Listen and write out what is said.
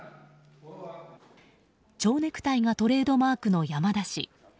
蝶ネクタイがトレードマークの山田氏。